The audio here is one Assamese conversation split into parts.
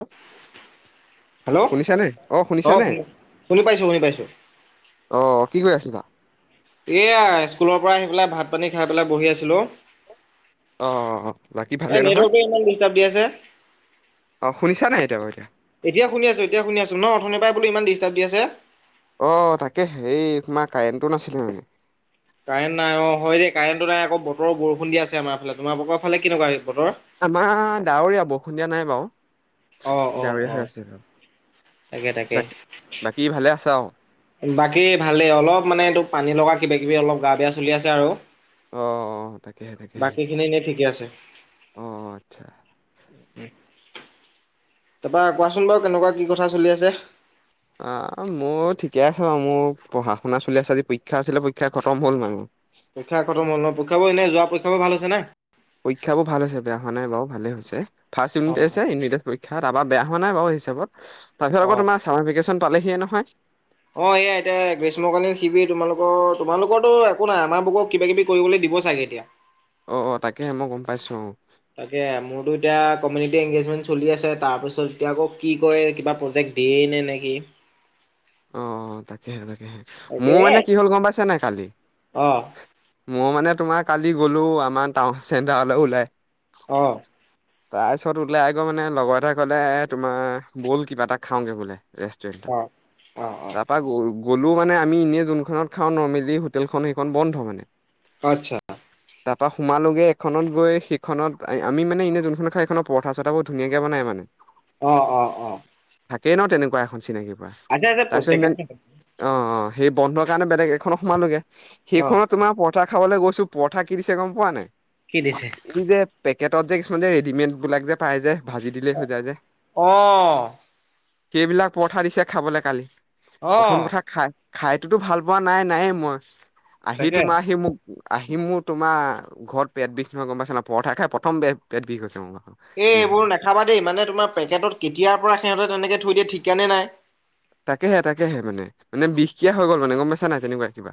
[unintelligible] হেল্ল' শুনিছানে? অ, শুনিছানে? শুনি শুনি পাইছো শুনি পাইছো অ' কি কৰি আছিলা? এইয়া স্কুলৰ পৰা আহি পেলাই ভাত পানী খাই পেলাই বহি আছিলো। অ বাকী ভালে এ নহয় নেটৱৰ্কটোৱে ইমান ডিষ্টাৰ্ব দি আছে। অ শুনিছা নাই এতিয়া বাৰু এতিয়া এতিয়া শুনি আছো, এতিয়া শুনি আছো ন, অথনিৰ পাই বোলো ইমান ডিষ্টাৰ্ব দি আছে। অ তাকে হেৰি তোমাৰ কাৰেণ্টটো নাছিলে মানে। কাৰেণ্ট নাই অ', হয় দেই, কাৰেণ্টটো নাই আকৌ বতৰ বৰষুণ দি আছে আমাৰ ফালে, তোমালোকৰ ফালে কেনেকুৱা বতৰ? আমাৰ ডাৱৰীয়া, বৰষুণ দিয়া নাই বাও অ অ ডাৱৰীয়া অ হৈ আছে অলপ, তাকে তাকে বা বাকী ভালে আছা অ বাকী ভালেই অলপ মানে এইটো পানী লগা কিবা কিবি অলপ গা বেয়া চলি আছে আৰু অ অ তাকেহে তাকেহে। বাকী খিনি এনেই ঠিকে আছে অ অ, আচ্ছা তাপা কোৱাচোন বাৰু, কেনেকুৱা কি কথা চলি আছে? অহ, মোৰ ঠিকেই আছে বাও, মোৰ পঢ়া শুনা চলি আছে আজি পৰীক্ষা আছিলে, পৰীক্ষা খতম হ'ল মানে মো পৰীক্ষা খটম হ'ল ন পৰীক্ষাবোৰ এনেই যোৱা পৰীক্ষাবোৰ ভাল হৈছে নে? পৰীক্ষাবোৰ ভাল হৈছে, বেয়া হোৱা নাই বাৰু ভালেই হৈছে, ফাৰ্ষ্ট ইউনিট টেষ্ট অ হে ইউনিটৰ পৰীক্ষা তাপা বেয়া হোৱা নাই বাৰু হিচাপত তাৰপিছত আকৌ অ তোমাৰ চামাৰ ভেকেচন পালেহিয়ে নহয় অ এয়া এতিয়া গ্ৰীষ্মকালীন শিবিৰ তোমালোকৰ তোমালোকৰো একো নাই আমাৰ বুক কিবা কিবি কৰিবলৈ দিব চাগে এতিয়া। অ' অ' তাকেহে মই গম পাইছো অ' তাকে মোৰতো এতিয়া কমিউনিটি এনগেজমেন্ট চলি আছে, তাৰ পিছত এতিয়া আক কি কয় কিবা প্ৰজেক্ট। দিয়েই নে নেকি? [inaudible] অ' তাকেহে তাকেহে তাকে মোৰ মানে কি হল গম পাইছে নাই কালি। অ মই মানে তোমাৰ কালি গলো আমাৰ টান চেণ্টাৰলৈ ওলাই। অ' তাৰপিছত ওলাইগৈ মানে লগৰ এটাই ক'লে এ তোমাৰ বল কিবা এটা খাওঁগে বোলে। ৰেষ্টুৰেণ্টৰ অ অ অ তাৰপা গলো। গ'লো মানে আমি এনেই যোনখনত খাওঁ নৰ্মেলি হোটেলখন সেইখন বন্ধ মানে। অ' আটচা। তাৰ পৰা সোমালোগে এখনত গৈ সেইখনত আমি মানে এনে যোনখনত খাও সেইখনত পৰঠা চঠাাবোৰ ধুনীয়াকে বনাই মানে। অ', অ', অ', থাকেই ন' তেনেকুৱা এখন চিনাকি পাঁচ আছে আছে তাৰছত প্ৰত্যেকে [unintelligible] অ', অ', সেই বন্ধৰ কাৰণে বেলেগ এখনত সোমালোগে অ সেইখনত তোমাৰ পৰঠা খাবলৈ গৈছো পৰঠা কি দিছে গম পোৱা নাই কি দিছে এই যে পেক কেটত যে কিছুমান যে ৰেডিমেড বিলাক যে পাই যে ভাজি দিলেই হৈ যাই যে অ কেইবিলাক পৰঠা দিছে খাবলে কালি অ প্ৰথম কথা খায় খাইতোতো ভাল পোৱা নাই নাইয়েই মই আহি তাকে তোমাৰ সি মোক আহি। সি মোৰ তোমাৰ ঘৰত পেট বিষ নহয় গম পাইছে না পৰঠাই খাই প্ৰথম পেট বিষ হৈছে মোৰ। এই সেইদিনাখন এইবোৰ নাখাবা দেই মানে তোমাৰ পেকেটত কেতিয়াৰ পৰা সিহঁতে তেনেকে থৈ দিয়ে ঠিক নে নাই। তাকেহে তাকেহে মানে, মানে বিষ কিয়া হৈ গ'ল মানে গম পাইছানাই তেনেকুৱা কিবা।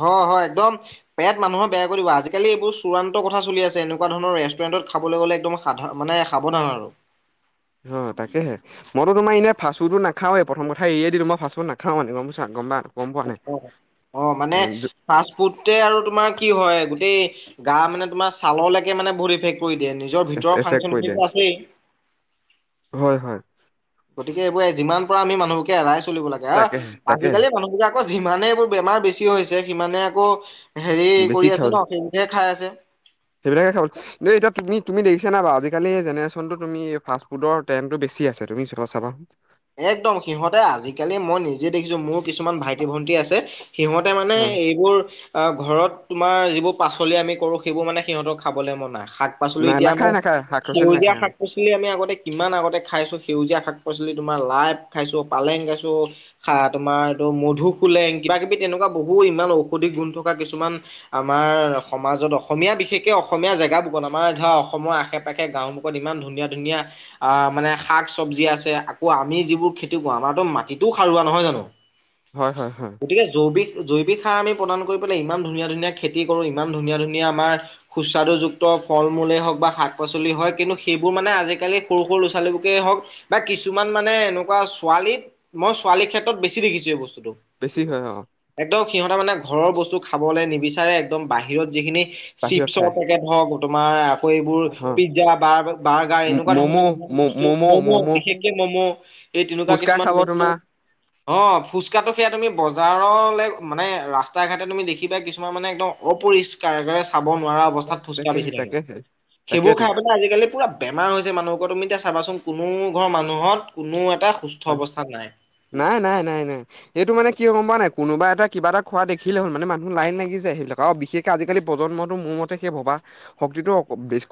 হয় -হয় একদম পেট মানুহৰ বেয়া কৰি দিব। আজিকালি এইবোৰ চূড়ান্ত কথা চলি আছে এনেকুৱা ধৰণৰ ৰেষ্টুৰেণ্ট। ৰেষ্টুৰেণ্টত খাবলে গ'লে একদম মানে সাৱধান আৰু। [inaudible] অ, তাকেহে মইটো তোমাৰ এনে ফাষ্টফুডটো নাখাওঁৱে প্ৰথম কথা এৰিয়ে দিলোঁ মই ফাষ্টফুড নাখাওঁ মানে মই গম পাইছ নাই গম পা নাই? গম পোৱা অ', অ', মানে ফাষ্ট ফুডতে আৰু তোমাৰ কি হয় গোটেই গা মানে তোমাৰ চাললৈকে মানে বহুত ইফেক্ট কৰি দিয়ে নিজৰ ভিতৰৰ এচেক ফাংচন কৰি দিয়ে খিনিতো আছেই। হয় হয় গতিকে এইবোৰে যিমান পাৰা আমি মানুহবুকে এৰাই চলিব লাগে অ, তাকেহে তাকেহে আজিকালি মানুহবিলাক আকৌ যিমানে এইবোৰ বেমাৰ বেছি হৈছে সিমানে আকৌ হেৰি বেছি কৰি আছে ন [unintelligible] সেইবোৰহে খাই আছে। সেইবিলাকে খাব দে এতিয়া তুমি-তুমি দে খিছা নাই বাও আজিকালি জেনেৰেচনটো তুমি ফাষ্ট ফুডৰ ট্ৰেণ্ডটো বেছি আছে তুমি চব চাবাচোন। একদম সিহঁতে আজিকালি মই নিজে দেখিছো মোৰ কিছুমান ভাইটি- ভন্টি আছে সিহঁতে মানে অ এইবোৰ অ, ঘৰত তোমাৰ যিবোৰ পাচলি আমি কৰোঁ সেইবোৰ মানে সিহঁতক খাবলৈ মন নাই। শাক-পাচলি নাই এতিয়া নাখায় আমাৰ নাখায় শাক পাচলি সেউজীয়া নাখায় অ শাক পাচলি আমি আগতে কিমান আগতে খাইছো সেউজীয়া শাক পাচলি তোমাৰ লাই খাইছো, পালেং খাইছো, খা তোমাৰ এইটো মধু খোলেং কিবা কিবি তেনেকুৱা বহুত অ, ইমান ঔষধি গুণ থকা কিছুমান আমাৰ সমাজত অসমীয়া বিশেষকে অসমীয়া জেগা [unintelligible] আমাৰ হয় ধৰা অসমৰ আশে পাশে গাওমোখত ইমান ধুনীয়া -ধুনীয়া আ মানে শাক চব্জি আছে ক আমি যিবোৰ খেতি কৰো আমাৰতো মাটিতো সাৰুৱা নহয় জানো। হয় হয় হয়। গতিকে জৈৱিক জৈৱিক সাৰ আমি প্ৰদান কৰি পেলাই ইমান ধুনীয়া ধুনীয়া খেতি কৰো ইমান ধুনীয়া ধুনীয়া আমাৰ সুস্বাদুযুক্ত ফল মূলে হওক বা শাক পাচলি হয় কিন্তু সেইবোৰ মানে আজিকালি সৰু সৰু ল'ৰাোৱালীবুকে হওক বা কিছুমান মানে এনেকুৱা ছোৱলী মই ছোৱালীৰ ক্ষেত্ৰত বেছি দেখিছো এই বস্তু বেছি হয় অ একদম সিহঁতে মানে ঘৰৰ বস্তু খাবলৈ নিবিচাৰে একদম বাহিৰত যিখিনি বাহিৰত চিপছৰ খায় পেকেট হওক তোমাৰ আকৌ এইবোৰ অ পিজ্জা বাৰ্গাৰ এনেকুৱা ধৰণৰ বস্তু ম'ম' বিশেষ এ তেনেকুৱা ফুচকা কিছুমান খাব বস্তু তোমাৰ অ ফুচকা তো তোমাৰ বজাৰত ল মানে ৰাস্তা ঘাটে তুমি দেখিবা কিছুমান মানে একদম অপৰিষ্কাৰৰে খাব নোৱাৰা অৱস্থাত ফোচকা তাকেহে বেছি থাকে তাকেহে সেইবোৰ তাকেতো খাই পেলাই আজিকালি পুৰা বেমাৰ হৈছে মানুহক তুমি এতিয়া চাবাচোন। কোনো ঘৰৰ মানুহত কোনো এটা সুস্থ হয় অৱস্থাত নাই নাই নাই নাই নাই এইটো মানে কিয় গম পোৱা নাই কোনোবা এটা কিবা এটা খোৱা দেখিলে হ'ল মান মানহ লাইন লাগি যায় সেইবিলাক আৰু বিশেষকে আজিকাল প্ৰজন্মটোোৰ মতে শষ হবা শক্তিটো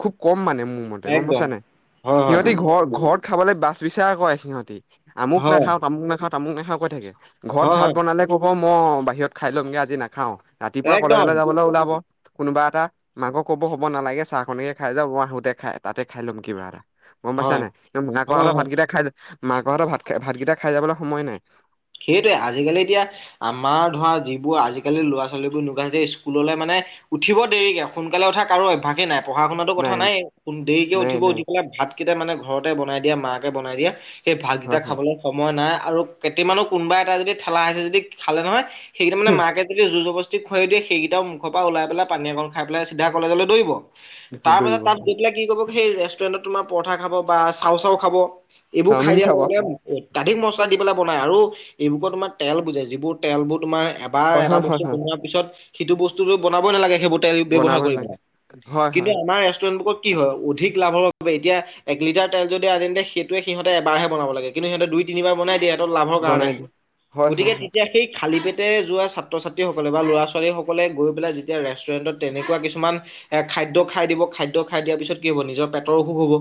খুব কম মানে মোৰ মতে গম একদম পছা নে হয় হয় সিহঁতি ঘৰ ঘৰত খাবলৈ বাচ বিচাৰ কৰে সিহঁতি আমুক হয় নখাও তামুক নাখাওঁ তামুক নাখাওঁ কৈ থাকে ঘৰত ভাত হয় হয় বনালে ক'ব ম বাহিৰত খাই লমগে আজি নাখাও ৰাতিপুৱা একদম কলেজলৈ যাবলৈ ওলাব। কোনোবা এটা মাকক কব হ'ব নালাগে চাহখনকে খাই যাওঁ ম আহোঁতে খাই তাতে খাই ল'ম কিবা এটা। গম পাইছা হয় নাই হয় মাকহঁতৰ হয় ভাতকেইটা খাই মাকহঁতৰ ভাত খ ভাতকেইটা খাই যাবলৈ সময় নাই। সেইটোৱে আজিকালি এতিয়া আমাৰ ধৰা যিবোৰ আজিকালি ল'ৰা ছোৱালীবোৰ এনেকুৱাই যে স্কুললৈ মানে উঠিব দেৰিকে সোনকালে উঠা কাৰো অভ্যাসে নাই। পঢ়া শুনাতো নাই কথাই দেৰিকে নাই উঠিব নাই উঠি পেলাই ভাতকেইটা মানে ঘৰতে বনাই দিয়া মাকে বনাই দিয়া সেই ভাতকেইটা হয় হয় খাবলে সময় নাই আৰু কেইটামানো কোনোবা এটা যদি ঠেলা হেঁচাই যদি খালে নহয় সেই মানে মাকে যোৰ যবদস্তি। যি খুৱাই দিয়ে সেইকেইটাও মুখৰ পৰা ওলাই পেলায় পানী অকন খাই পেলায় কলেজলৈ দৌৰিব। তাৰ পাছত দৌৰিব তাত হয় তেতিয়া কি কৰিব সেই ৰেষ্টুৰেণ্টত তোমাৰ পৰঠা খাব বা চাউ চাওঁ খাব। এইবোৰ খাই চাওমিন দিয়াৰ খাব লগে লগে অত্যাধিক মছলা দি পেলায় বনাই আৰু এইবোৰ তোমাৰ তেল বুজায় যিবোৰ তেলবোৰ তোমাৰ এবাৰ হয় এটা হয় হয় বস্তু হয় বনোৱাৰ পিছত সিটো বস্তু বনাবই নালাগে সেইবোৰ তেল বনাব ব্যৱহাৰ কৰি নালাগে পেলাই হয় কিন্তু হয় আমাৰ ৰেষ্টুৰেণ্টৰ বোকত কি হয় অধিক লাভৰ বাবে এতিয়া এক লিটাৰ তেল যদি আদনে সেইটোয়ে সিহতে এবাৰহে বনাব লাগে কিন্তু সিহঁতে দুই তিনিবাৰ বনাই দিয়েত সিহঁতৰ লাভৰ কাৰণে বনাই দিম হয় হয় গতিকে হয় তেতিয়া সেই খালী পেট যোৱা ছাত্ৰ ছাত্ৰীসকলে ল'ৰা ছোৱালীসকলে গৈ পেলাই যেতিয়া ৰেষ্টুৰেণ্ট তেনেকুৱা কিছুমান খাই খাদ্য খাই দিব খাদ্য খাই দিয়াৰ পিছত কি হ'ব নিজৰ পেটৰ অসুখ হ'ব।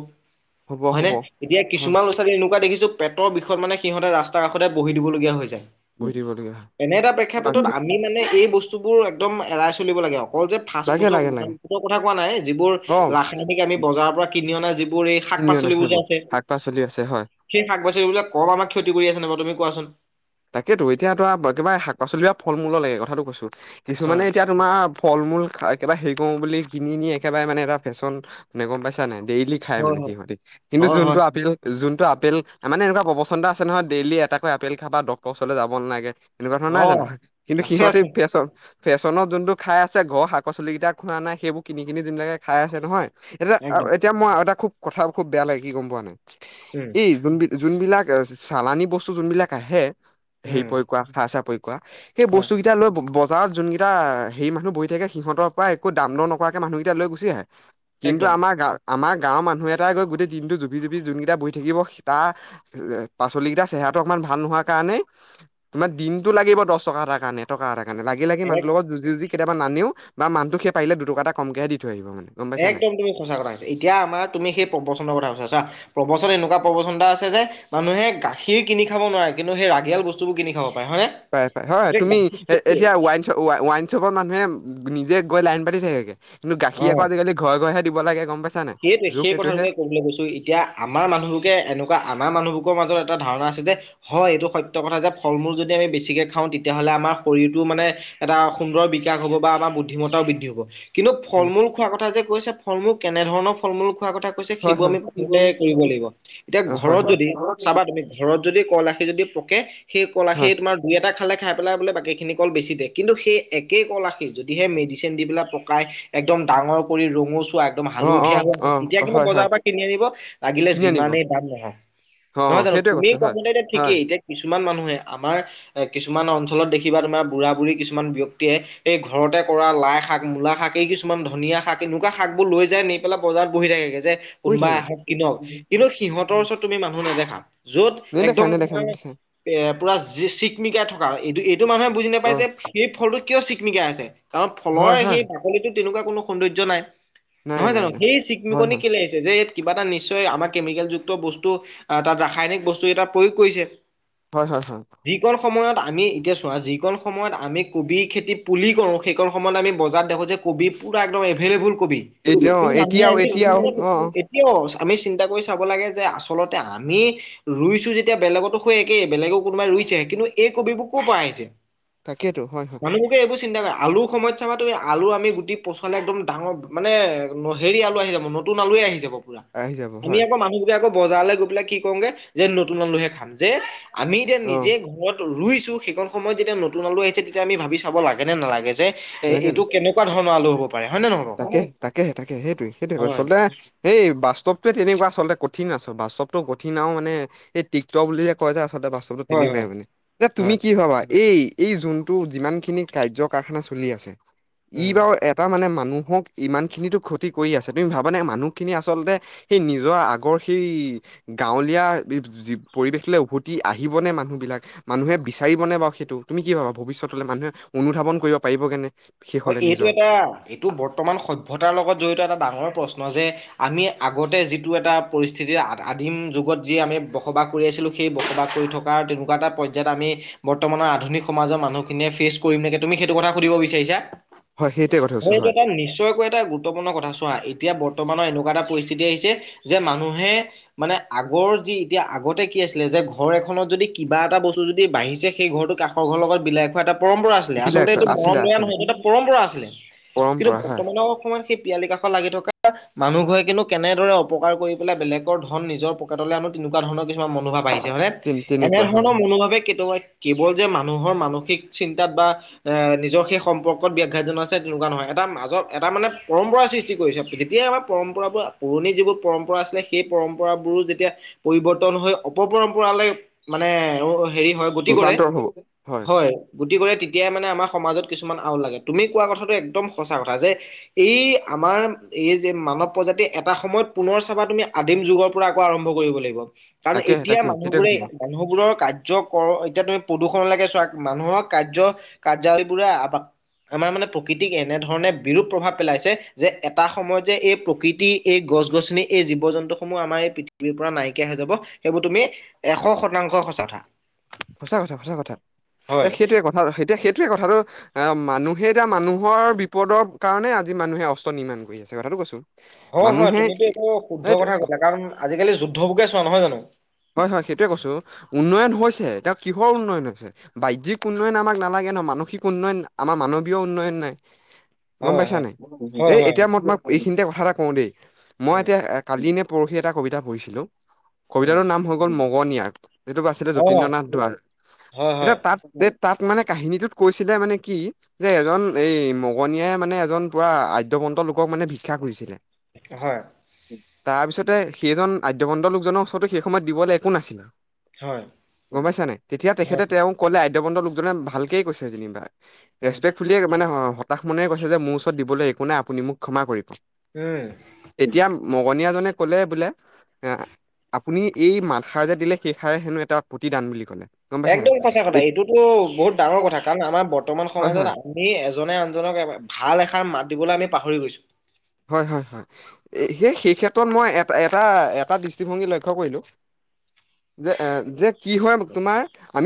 হ'ব হয় নে হ'ব এতিয়া হয় কিছুমান ল'ৰা-ছোৱালীৰ এনেকুৱা দেখিছো পেটৰ বিষত মানে সিহঁতে ৰাস্তা কাষতে বহি দিবলগীয়া হৈ যায় বহি থাকিবলগীয়া হয় এনে এটা প্ৰেক্ষাপেটত আমি মানে এই বস্তু। বস্তুবোৰ একদম এৰাই চলিব লাগে। অকল যে ফাৰ্ষ্ট লাগে ফুচ লাগে লাগে ফুডৰ কথা কোৱা নাই যিবোৰ অ ৰাসায়নিক আমি বজাৰৰ পৰা কিনি অনাই যিবোৰ। টোৰ এই শাক কিনি অনা পাচলিবোৰ যে সেইবোৰ আছে শাক পাচলি আছে হয় সেই শাক পাচলিবিলাক কম আমাক ক্ষতি কৰি আছে। নে বাৰু তুমি কোৱাচোন তাকেতো এতিয়া তোৰা কিবা শাক পাচলি বা ফল মূলো লৈকে কথাটো কৈছো। কিছুমানে হয় এতিয়া তোমাৰ ফল মূল হে কটা বুলি কিনিন একেবাৰে মানে এটা ফেশ্বন নে গ'ম পাইছা নাই। ডেইলি খাই হয় হয় মানে সিহঁতে কিন্তু হয় হয় যোনটো আপেল কোনটো। ত' আপেল মানে এনেকুৱা প্ৰচন্দ আছে নহয় ডেইলি এটাকৈ আপেল খাবা ডক্টৰ ওচৰলৈ যাব নালাগে। এনেকুৱা ধৰণৰ নাই জানো অ', কিন্তু আছে সিহঁতে আছে ফেশ্বন ফেশ্বনত যোনটো খাই আছে ঘৰ শাক পচলি কেইটা খোৱা নাই সেইবোৰ কিনি কিনি যোনবিলাকে খাই আছে নহয়। এতিয়া একদম এতিয়া মই এটা খুব কথা খুব বেয়া লাগে কি গ'ম পোৱা নাই উম, এই যোন যোনবিলাক। চালানি বস্তু আহে হেৰী উম, প্ৰয়োগ কৰা কথা আছে। সেই হয় বস্তু কেইটা লৈ বজাৰ বজাৰত যোনকেইটা হেৰি মানুহ বহি থাকে সিহঁতৰ পৰা একো দাম নকৰাকে মানুহকেইটা লৈ গুচি আহে। কিন্তু একদম আমাৰ গাৱ আমাৰ গাঁওৰ মানুহ এটাই গৈ গোটেই দিনতটো জুপি জুপি যোনকেইটা বহি থাকিব টা পাচলি কেইটা চেহেৰা। গাটো অকণমান ভাল নোহোৱাৰ কাৰণেই। তোমাৰ দিনতটো লাগিব দহ টকা এটা কাৰণে এটকা এটাৰ কাৰণে লাগি লাগি এক মানুহৰ লগত যুজি যুজি। কেতিয়াবা নানেও বা মানুহটোক সি পাৰিলে দুটকা কমকে দি থৈ আহিব মানে গম পাইছা নাই একদম তুমি সঁচা কথা কৈছা, এতিয়া আমাৰ তুমি সেই পকবচন্দৰ কথা কৈছা। প্ৰবচন এনেকুৱা প্ৰবচন এটা আছে যে মানুহে গাখীৰ কিনি খাব নোৱাৰে, কিন্তু সেই ৰাগিয়াল বস্তুবোৰ কিনি খাব পাৰে হয়নে? পাই পাই হয়। যে তুমি গাখীৰ এতিয়া ৱাইনশ্বপ ৱাইনশ্বপৰ মানুহে নিজে গৈ লাইন পাতি থাকেগে গাখীৰ অ', আকৌ আজিকালি ঘৰ ঘৰহে দিব লাগে গ'ম পাইছে। সেইটোৱে সেই কথাটোকে ক'বলৈ গৈছো এতিয়া আমাৰ মানুহবোৰকে এনেকুৱা আমাৰ মানুহবোৰৰ মাজত এটা ধাৰণা আছে যে হয় এইটো সত্য কথা যে ফল মূল যদি আমি বেছিকে খাওঁ তেতিয়াহ'লে আমাৰ আমাৰ শৰীৰটো মানে এটা সুন্দৰ বিকাশ হ'ব বা আমাৰ বুদ্ধিমতাও বৃদ্ধি হ'ব। কিন্তু ফল উম, মূল খোৱাৰ কথা যে কৈছে। ফল মূল কেনেধৰণৰ ফল মূল খো কথা কৈছে হয় সেইবোৰ হয়। আমি ঘৰতে কৰিব লাগিব এতিয়া অ হয় ঘৰত হয় যদি চাবা তুমি ঘৰত যদি কল এৱাশি যদি পকে সেই কল আখি হয় তোমাৰ দুই এটা খালে খ খাই পেলায় বাকী খিনি কল বেছি দে কিন্তু সেই একে কল আশি যদিহে মেডিচিন দি পেলাই পকাই একদম। ডাঙৰ কৰি ৰঙোচোৱা। একদম অ হালধীয়া হৈ অ আছে, তেতিয়া অ কিন্তু হয় হয় বজাৰৰ পৰা কিনি আনিব লাগিলে কিনি আনিব। যিমানেই দাম নহওঁক। অ অ নহয় জানো সেইটোৱে তুমি কৈছো কোৱা হয় মতে এতিয়া হয় ঠিকেই এতিয়া কিছুমান মানুহে আমাৰ কিছুমান কিছুমান অঞ্চলত দেখিবা তুমাৰ বুঢ়া বুঢ়ী কিছুমান ব্যক্তিয়ে এই ঘৰতে কৰা লাই শাক মূলা শাক এই কিছু মান ধুনীয়া শাক এনেকুৱা শাক বোৰ লৈ যাই নি পেল বজাৰত বহি থাকে গে যে শুই কোনোবাই থাকে। আহক কিনক কিন্তু সিহঁতৰ ওচৰত তুমি মানুহ নেদেখা যত নেদেখা একদম নেদেখা তোমাৰ এ নেদেখা পুৰা চিকমিকাই থকা এইটো এইটো মানুহে বুজি অ নাপায় যে সেই ফলটো কিয় চিকমিকা আছে কাৰণ ফলৰ হয় হয় সেই বাকলিটো তেনেকুৱা কোনো সৌন্দৰ্য্য নাই নাই নহয় নাই জানো নাই। সেই হয় চিকমিকনি হয় কেলে আহিছে যে কিবা এটা নিশ্চয় আমাৰ কেমিকেল যুক্ত বস্তু আহ তাত ৰাসায়নিক বস্তু এটা প্ৰয়োগ কৰিছে হয়, হয়, হয়। যিকণ সময়ত আমি এতিয়া চোৱা যিকণ সময়ত আমি কবি খেতি পুলি কৰোঁ সেইকণ সময়ত আমি বজাৰত দেখোঁ যে কবি পোৰা একদম এভেলেভূল কবি এতিয়া অ কিন্তু মানুহে এতিয়াও এতিয়াও [unintelligible] অ অ এতিয়াও আমি চিন্তা কৰি চাব লাগে যে আচলতে আমি ৰুইছো যেতিয়া বেলেগতো হৈ একে বেলেগে কোনোবাই ৰুই কিন্তু এই কবিবোৰ ক'ৰ পৰা আহিছে। তাকেইেতো হয়, হয়। মানুহবোকে এইবোৰ চিন্তা কৰে আলুৰ সময়ত তুমি আলু আমি গুটি পচলি একদম ডাঙৰ মানে হেৰি আলু আহি যাব নতুন আলুৱে আহি যাব পুৰা আহি যাব আমি হয় আকৌ মানুহবিলাকে আকৌ বজাৰলে গৈ পেলাই কি কওঁগে যে নতুন মলুহে খাম যে আমি যে অ নিজে ঘৰত ৰুইছো সেইখন সময়ত যেতিয়া নতুন আলু আহিছে তেতিয়া আমি ভাবি চাব লাগে নে নালাগে যে এ লাগে ন এইটো কেনেকুৱা ধৰণৰ আলো হ'ব পাৰে হয় নে নহয় বাৰু? তাকে তাকে তাকে সেইটোয়ে সেইটোয়ে হয় আচলতে সেই বাস্তৱটোৱে তেনেকুৱা আচলতে কঠিন আছ বাছ চৱতটো কঠিন আও মানে এই টিক ত বুলি যে আছ লতে বাস্তৱটো হয় তেনেকুৱাই হয় মানে এ তুমি হয় কি ভাবা এই এই যোনটো যিমান খিনি কাৰ্য কাৰখানা চলি আছে ই উম বাৰু এটা মানে মানুহ হওক ইমানখিনিতো ক্ষতি কৰি আছে তুমি ভাবানে মানুহখিনি আচলতে সেই নিজৰ আগৰ সেই গাঁৱলীয়া যি পৰিৱেশলৈ উভতি আহিবনে মানুহ বিলাক মানুহে বিচাৰিবনে বাও সেই টো তুমি কি ভাবা ভৱিষ্যতলে মানুহে অনুধাৱন কৰিব পাৰিবগে নে হয় শেষলে এইটো নিজৰ এটা এইটো বত ৰ্তমান সভ্যতাৰ লগত জড়িত এটা ডাঙৰ প্ৰশ্ন যে আমি আগতে যিটো এটা পৰিস্থিতিৰ আত আত আদিম যুগত যি আমি বসবাস কৰি আছিলোঁ সেই বসবাস কৰি থকাৰ আৰু তেনেকুৱা এটা পৰ্যায়ত আমি বৰ্তমানৰ আধুনি সমাজৰ মানুহখিনি ফেচ কৰিমে তুমি সেইটো কথা সুধিব বিচাৰিছা? হয় সেইটোৱে কথা কৈছো হয় এইটো এটা নিশ্চয়কৈ এটা গুৰুত্বপূৰ্ণ কথা চোৱা এতিয়া বৰ্তমানৰ এনেকুৱা এটা পৰিস্থিতি আহিছে যে মানুহে মানে আগৰ যি এতিয়া আগতে কি কি আছিলে যে ঘৰ এখনত যদি কিবা এটা বস্তু যদি বাঢ়িছে সেই ঘৰটো কাষৰ ঘৰৰ লগত বিলাই খোৱা এটা পৰম্পৰা আছিলে বিলাক আচলতে এইটো মৰম আছিলে দয়া আছিলে নহয় এইটো এটা পুৰা আছিলে। কিন্তু পৰম্পৰা হয় বৰ্তমানৰ অকমান সেই পিয়ালি কাষত লাগি থকা মানুহ ঘৰে কিন্তু কেনেদৰে অপকাৰ কৰি পেলাই বেলেগৰ ধন নিজৰ পকেটলৈ আনো তেনেকুৱা ধৰণৰ কিছুমান মনোভাৱ আহিছ ছে হয় নে তেনেকুৱা হয় এনেধৰণৰ হয় মনোভাৱে কেতবয় কেৱল যে মানুহৰ মানসিক চিন্তাত বা এ নিজৰ সেই সম্পক ক'ত ব্যাখ্যাত জনাইছে তেনেকুৱা নহয় এটা মাজত এ মানে পম্পৰা সৃষ্টি কৰিছে যেতিয়াই আমাৰ পৰম্পৰাবোৰ পুৰণ যিবোৰ পৰম্পৰা আছিলে সেই পৰম্পৰাবোৰো যেতিয়া পৰিৱৰ্তন হৈ অপপৰম্পৰালে মানে এ অ হেৰি হয় গতি কৰে ৰূপান্তৰ হব হয় গতি কৰে তেতিয়াই মানে আমাৰ সমাজত কিছুমান আও লাগে। তুমি কোৱা কথাটো একদম সঁচা কথা যে এই আমাৰ এই যে মানৱ প্ৰজাতি এটা সময়ত পুনৰ চাবা তুমি আদিম যুগৰ পৰা আকৌ আৰম্ভ কৰিব লাগিব। কাৰণ তাকেহে এতিয়া তাকে সেইটোৱে মানুহবোৰে কথা মানুহবোৰৰ কাৰ্য কৰ এতিয়া তুমি প্ৰদূষণ লাগে চোৱা মানুহৰ কাৰ্য কাৰ্যাৱলীবোৰে আপাক আমাৰ মানে প্ৰকৃতিক এনেধৰণে বিৰূপ প্ৰভাৱ পেলাইছে যে এটা সময়ত যে এই প্ৰকৃতি এ গছ-গছনি এই জীৱ জন্তুসমূহ আমাৰ এই পৃথিৱীৰ পৰা নাইকিয়া হৈ যাব সেইবোৰ তুমি এশ শতাংশ সঁচা কথা। সঁচা কথা সঁচা কথা যে হয় সেইটোৱে কথা সেইটোৱে সেইটোৱে কথাটো অ' মানুহে এতিয়া মানুহৰ বিপদৰ কাৰণে আজি মানুহে অস্ত্ৰ নিৰ্মাণ কৰি আছে, কথাটো কৈছোঁ। হয়, হয় তুমিতো এইটো শুদ্ধ কথা ক'লা। কাৰণ আজিকালি যুদ্ধবোৰকে চোৱা নহয় জানোঁ হয়, হয়। সেইটোৱে কৈছোঁ, উন্নয়ন হৈছে, তেওঁ কিহৰ উন্নয়ন হৈছে, বাজ্যিক উন্নয়ন আমাক নালাগে। কে নহ মানসিক উন্নয়ন আমাৰ মানৱীয় উন্নয়ন নাই গম হয় পাইছা হয় নাই হয় এই হয় হয় এতিয়া মই তোমাক এইখিনিতে কথা এটা কওঁ দেই মই উম এতিয়া কালি নে পৰহি এটা কবিতা পঢ়িছিলো উম কবিতাটোৰ নাম হৈ গ'ল মগনিয়াৰ সেইটো বা আছিলে অঁ যতীন্দ্ৰ নাথ দুৱৰা হয় এতিয়া হয় তাত যে তাত মানে কাহিনীটোত কৈছিলে মানে কি যে এজন এই মগনিয়াই মানে এজন পুৰা আদ্য অৱন্ত লোকক মানে ভিক্ষা খুজিছিলে হয় তাৰপিছতে, সেইজন আদ্যবন্দ লোকজনৰ ওচৰতো সেই সময়ত দিবলৈ একো নাছিল হয় গ'ম পাইছানে নাই। তেতিয়া তেখে হয় তেওঁ ক'লে আদ্যবন্দ লোকজনে ভালকে কৈছে যেনিবা উম ৰেচপেক্ট ফুলিয়ে মানে অ' হতাশ মনে কৈছে যে মোৰ ওচৰত দিবলৈ একো নাই। আপুনি মোক ক্ষমা কৰিব। উম তেতিয়া মগনিয়াজনে ক'লে বোলে এ আপুনি এই মাত সাৰ যে দিলে, সেই সাৰে হেনোঁ এটা প্ৰতিদান বুলি ক'লে গম পাইছা একদম সঁচা কথা নাই এইটোতো বহুত ডাঙৰ কথা কাৰণ আমাৰ বৰ্তমান হয় হয় সমাজত আমি এজনে আনজনক ভাল এষাৰ মাত দিবলৈ আমি পাহৰি গৈছো হয় হয় হয় সেই সেই ক্ষেত্ৰত মই এটা এটা দৃষ্টিভংগী লক্ষ্য কৰিলোঁ যে এ যে কি হয় তোমাৰ আমি